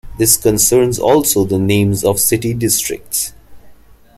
This concerns also the names of city districts.